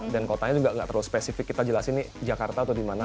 dan kotanya juga gak terlalu spesifik kita jelasin nih jakarta atau dimana